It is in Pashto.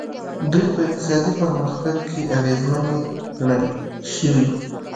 دوی په اقتصادي پرمختګ کې اغېزمنې ګڼل شوي.